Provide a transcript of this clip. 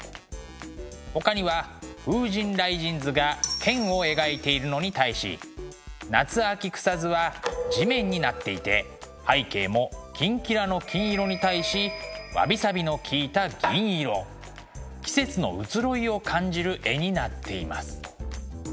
ほかには「風神雷神図」が天を描いているのに対し「夏秋草図」は地面になっていて背景もキンキラの金色に対しわびさびのきいた銀色季節の移ろいを感じる絵になっています。